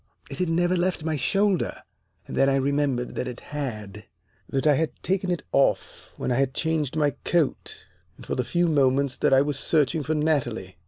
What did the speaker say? It had never left my shoulder. And then I remembered that it had that I had taken it off when I had changed my coat and for the few moments that I was searching for Natalie.